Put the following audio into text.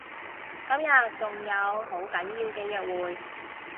今日仲有好緊要嘅約會